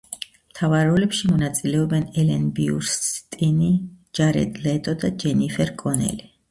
მთავარ როლებში მონაწილეობენ ელენ ბიურსტინი, ჯარედ ლეტო და ჯენიფერ კონელი.